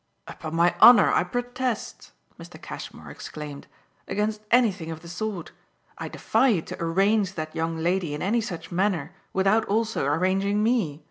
"Upon my honour I protest," Mr. Cashmore exclaimed, "against anything of the sort! I defy you to 'arrange' that young lady in any such manner without also arranging ME.